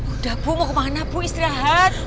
udah bu mau kemana bu istirahat